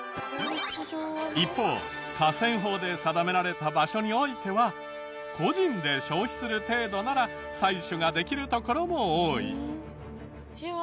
一方河川法で定められた場所においては個人で消費する程度なら採取ができる所も多い。